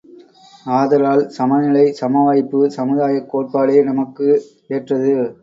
ஆதலால் சமநிலை சமவாய்ப்பு சமுதாயக் கோட்பாடே நமக்கு ஏற்றது.